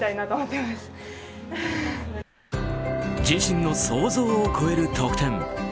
自身の想像を超える得点。